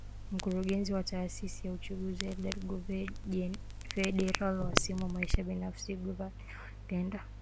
Mkurugenzi Wa Taasisi Ya Uchunguzi Edgar Guver Federal Wasifu Maisha Binafsi Guver Dzhon Edgar